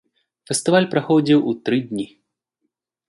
Фестываль праходзіў у тры дні.